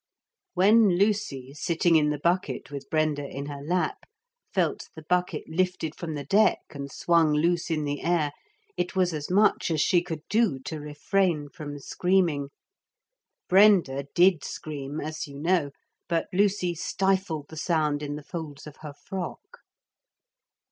....... When Lucy, sitting in the bucket with Brenda in her lap, felt the bucket lifted from the deck and swung loose in the air, it was as much as she could do to refrain from screaming. Brenda did scream, as you know, but Lucy stifled the sound in the folds of her frock.